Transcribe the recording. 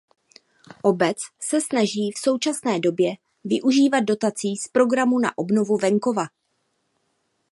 Obec se snaží v současné době využívat dotací z Programu na obnovu venkova.